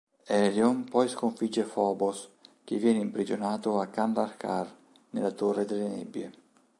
Elyon poi sconfigge Phobos, che viene imprigionato a Kandrakar nella Torre delle Nebbie.